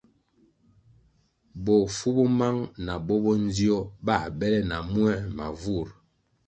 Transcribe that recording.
Bofu bo mang na bo bo ndzio bā bele na muē ma vur.